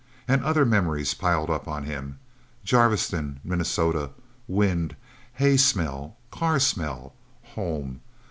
And other memories piled up on him: Jarviston, Minnesota. Wind. Hay smell, car smell. Home...